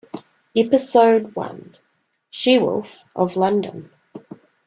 Episode One: She Wolf of London.